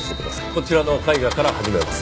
こちらの絵画から始めます。